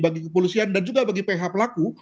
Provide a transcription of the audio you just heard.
bagi kepolisian dan juga bagi ph pelaku